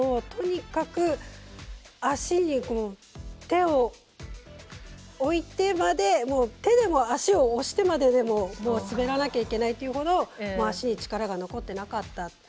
とにかく足に手を置いてまで手でも足を押してまででも滑らなくてはいけないというほど足に力が残っていなかった。